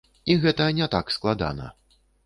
І гэта не так складана.